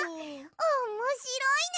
おもしろいね！